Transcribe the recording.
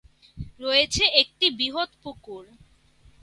রয়েছে একটি বৃহৎ পুকুর।